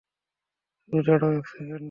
শুধু দাঁড়াও এক সেকেন্ড।